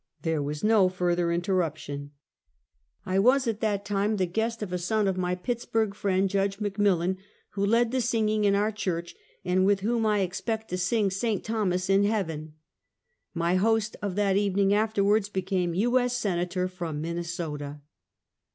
There was no further interruption. I was at that time the guest of a son of my Pitts burg friend, Judg e McMillan, who led the singing in our church, and with whom I expect to sing " St. Thomas " in heaven. My host of that evening after wards became U. S. Senator from Minnesota.